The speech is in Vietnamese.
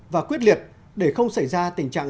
và quyết liệt để không xảy ra tình trạng